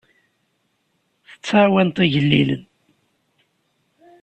Tettɛawaneḍ igellilen.